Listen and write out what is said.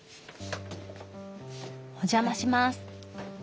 お邪魔します！